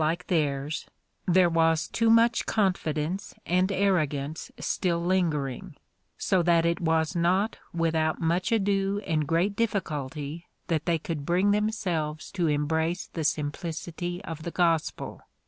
121 theirs there was too much confidence and arrogance still lingering, so that it was not without much ado and great difficulty that they could bring themselves to embrace the simplicity of the gospel.